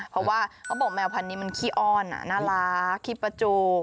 เพราะว่าเขาบอกแมวพันนี้มันขี้อ้อนน่ารักขี้ประจูบ